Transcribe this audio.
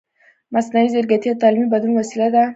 مصنوعي ځیرکتیا د تعلیمي بدلون وسیله ده.